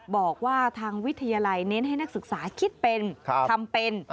บอกว่าทางวิทยาลัยเน้นให้นักศึกษาคิดเป็นทำเป็น